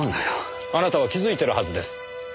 あなたは気づいてるはずです。